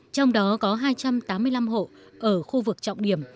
trong đó có hai trăm tám mươi năm hộ ở khu vực trọng điểm